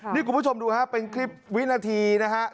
นี่คุณผู้ชมดูนะครับเป็นคลิปวินาทีนะครับ